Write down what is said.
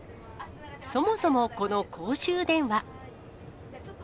そもそもこの公衆電話。